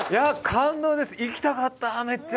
感動です、行きたかった、めっちゃ。